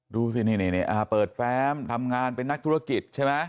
ดูสินี่เปิดแฟมทำงานเป็นนักธุรกิจใช่ไหม